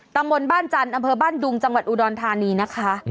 ตำบลบ้านจันทร์อำเภอบ้านดุงจังหวัดอุดรธานีนะคะ